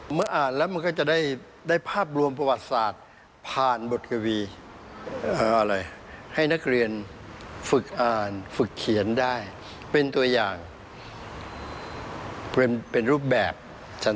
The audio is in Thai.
เมื่ออ่านแล้วมันก็จะได้ภาพรวมประวัติศาสตร์ผ่านบทกวีอะไรให้นักเรียนฝึกอ่านฝึกเขียนได้เป็นตัวอย่างเป็นรูปแบบชัด